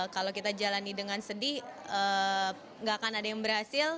kalau kita jalani dengan sedih gak akan ada yang berhasil